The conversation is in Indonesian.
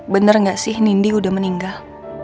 bener gak sih nindi udah meninggal